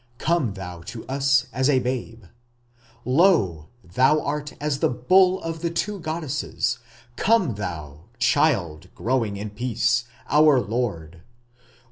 "Come thou to us as a babe".... "Lo, thou art as the Bull of the two goddesses come thou, child growing in peace, our lord!"...